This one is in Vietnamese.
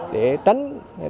để tránh những thiếu sóc còn lại